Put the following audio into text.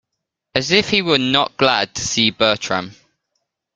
It was as if he were not glad to see Bertram.